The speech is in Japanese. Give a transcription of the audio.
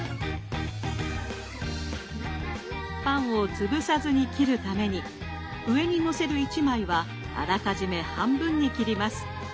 パンを潰さずに切るために上にのせる１枚はあらかじめ半分に切ります。